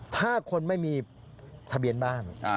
ถ้าคนไม่มีทะเบียนบ้าน